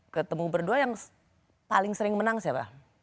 ketemu berdua yang paling sering menang siapa